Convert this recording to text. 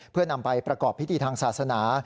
เพื่อนำไปประกอบพิธีทางศาสนา